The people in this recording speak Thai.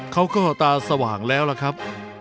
เขาก็ตาสว่างแล้วล่ะครับ